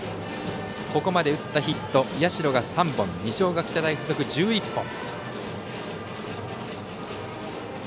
ここまで打ったヒット社が３本、二松学舎大付属１１本。